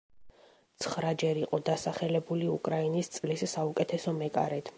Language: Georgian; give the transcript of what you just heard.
ცხრაჯერ იყო დასახელებული უკრაინის წლის საუკეთესო მეკარედ.